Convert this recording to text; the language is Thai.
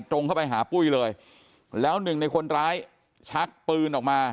ตรงเข้าไปหาปุ้ยเลยแล้วหนึ่งในคนร้ายชักปืนออกมา